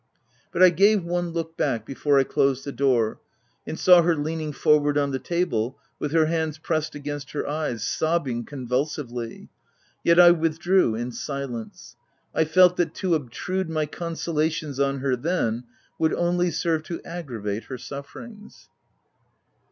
But I gave one look back before I closed the door, and saw her leaning forward on the table, with her hands pressed against her eyes, sob ■ bing convulsively ; yet I withdrew in silence. I felt that to obtrude my consolations on her then would only serve to aggravate her suf ferings.